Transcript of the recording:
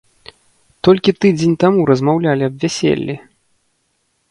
Толькі тыдзень таму размаўлялі аб вяселлі!